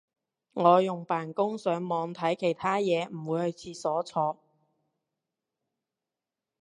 我會扮工上網睇其他嘢唔會去廁所坐